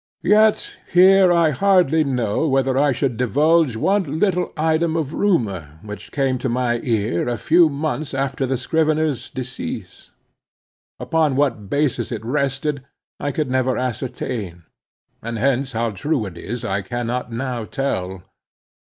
Yet here I hardly know whether I should divulge one little item of rumor, which came to my ear a few months after the scrivener's decease. Upon what basis it rested, I could never ascertain; and hence, how true it is I cannot now tell.